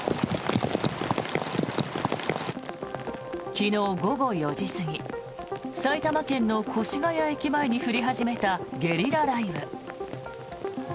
昨日午後４時過ぎ埼玉県の越谷駅前に降り始めたゲリラ雷雨。